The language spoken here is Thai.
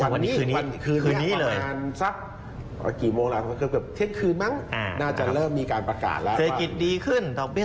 วันที่คืนนี้ประมาณสักกี่โมงแล้วก็เทียบเทียบเทียบ